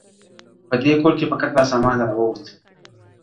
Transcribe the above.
په دې کور کي فقط دا سامان را ووت ,